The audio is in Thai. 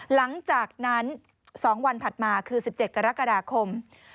หลังจากนั้น๒วันถัดมาคือ๑๗กรกฎาคม